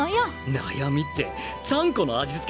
悩みってちゃんこの味付けとか？